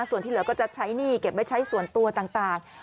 ส่วนที่เหลือก็จะใช้หนี้เก็บไว้ใช้ส่วนตัวต่าง